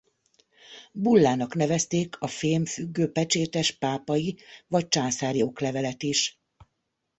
Bullának nevezték a fém-függőpecsétes pápai vagy császári oklevelet is.